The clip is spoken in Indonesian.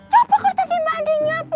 coba kertanian mbak andin nyapu